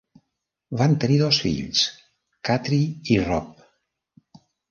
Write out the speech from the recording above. Van tenir dos fills: Katri i Rob.